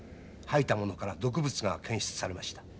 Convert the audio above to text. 吐いた物から毒物が検出されました。